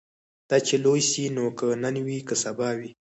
دا چي لوی سي نو که نن وي که سبا وي